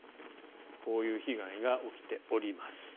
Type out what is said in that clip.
こういう被害が起きております。